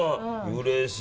うれしい。